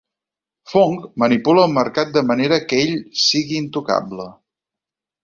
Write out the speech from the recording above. Fong manipula el mercat de manera que ell sigui intocable.